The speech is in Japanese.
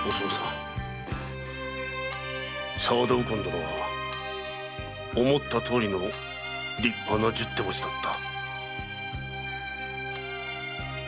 右近殿は思ったとおりの立派な十手持ちだった。